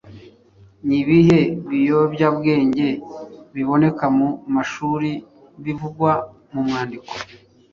Ni ibihe biyobyabwenge biboneka mu mashuri bivugwa mu mwandiko?